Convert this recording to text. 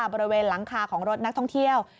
บริเวณหลังคาของรถนักท่องเที่ยว